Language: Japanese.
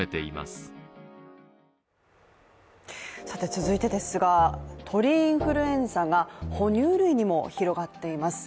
続いてですが、鳥インフルエンザが哺乳類にも広がっています。